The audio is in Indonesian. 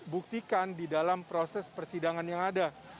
buktikan di dalam proses persidangan yang ada